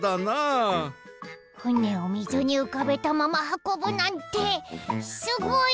ふねをみずにうかべたままはこぶなんてすごい！